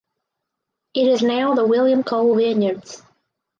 It is now the William Cole Vineyards.